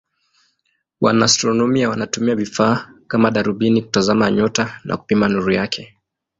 Wanaastronomia wanatumia vifaa kama darubini kutazama nyota na kupima nuru yake.